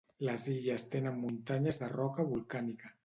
Les illes tenen muntanyes de roca volcànica.